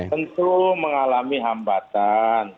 tentu mengalami hambatan